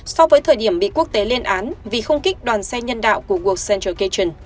so với thời điểm bị quốc tế lên án vì không kích đoàn xe nhân đạo của cuộc central cation